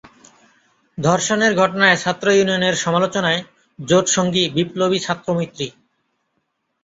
ধর্ষণের ঘটনায় ছাত্র ইউনিয়নের সমালোচনায় জোটসঙ্গী বিপ্লবী ছাত্র মৈত্রী